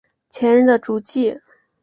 前人的足迹